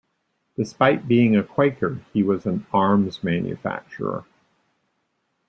Despite being a Quaker he was an arms manufacturer.